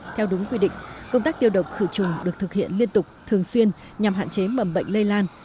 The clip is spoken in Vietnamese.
theo đúng quy định công tác tiêu độc khử trùng được thực hiện liên tục thường xuyên nhằm hạn chế mầm bệnh lây lan